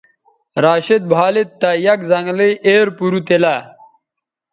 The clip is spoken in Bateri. راشد بھالید تہ یک زنگلئ ایر پَرُو تیلہ